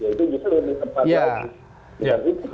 itu juga tempatnya